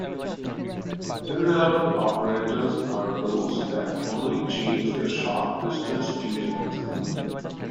Irrelevant operators are those that only change the short-distance details.